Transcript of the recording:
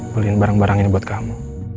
beliin barang barang ini buat kamu